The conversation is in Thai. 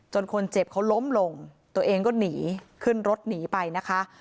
คนเจ็บเขาล้มลงตัวเองก็หนีขึ้นรถหนีไปนะคะ